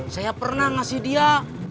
saya pernah ngasih dia